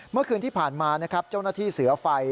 เมื่อคืนที่ผ่านมานะครับเจ้าหน้าที่เสือไฟ